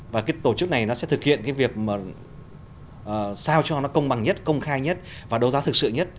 và cái tổ chức này nó sẽ thực hiện cái việc mà sao cho nó công bằng nhất công khai nhất và đấu giá thực sự nhất